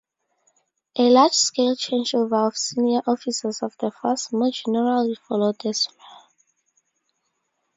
A large-scale changeover of senior officers of the force more generally followed as well.